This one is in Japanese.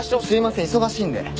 すいません忙しいんで。